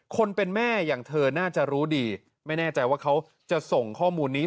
คนเป็นแม่อย่างเธอน่าจะรู้ดีไม่แน่ใจว่าเขาจะส่งข้อมูลนี้